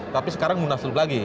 tapi sekarang munaslup lagi